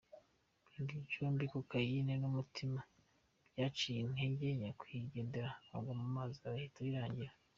Ibi byombi, cocaïne n’umutima, byaciye intege nyakwigendera, agwa mu mazi bihita birangira.